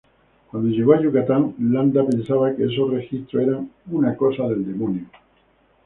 Cuando llegó a Yucatán, Landa pensaba que esos registros eran una cosa del demonio.